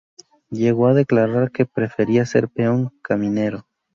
Llegó a declarar que ""prefería ser peón caminero"".